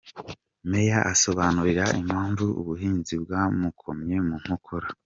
Meya asobanura impamvu ubuhinzi bwamukomye mu nkokora.